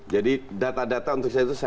jadi data data untuk saya itu